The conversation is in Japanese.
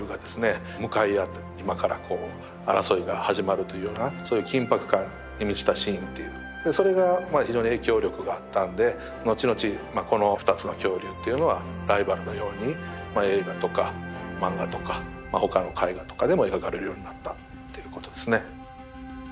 向かい合って今からこう争いが始まるというようなそういう緊迫感に満ちたシーンというそれが非常に影響力があったんで後々まあこの２つの恐竜というのはライバルのように映画とか漫画とか他の絵画とかでも描かれるようになったということですね。